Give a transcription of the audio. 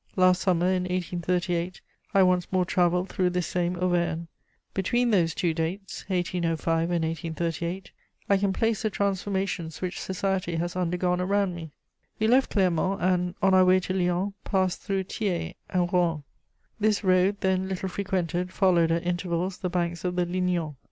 Last summer, in 1838, I once more travelled through this same Auvergne. Between those two dates, 1805 and 1838, I can place the transformations which society has undergone around me. We left Clermont and, on our way to Lyons, passed through Thiers and Roanne. This road, then little frequented, followed at intervals the banks of the Lignon.